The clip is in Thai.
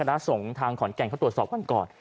เดี๋ยวให้คณะส่งทางขอนแก่งเขาตรวจสอบก่อน